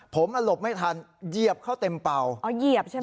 ผมอ่ะหลบไม่ทันเหยียบเข้าเต็มเป่าอ๋อเหยียบใช่ไหม